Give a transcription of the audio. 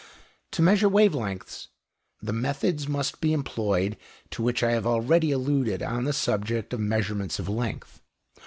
To measure wave lengths, the methods must be employed to which I have already alluded on the subject of measurements of length.